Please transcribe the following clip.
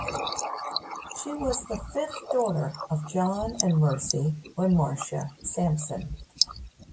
She was the fifth daughter of John and Mercy (or Marcia) Sampson.